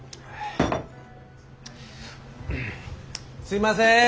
すいません！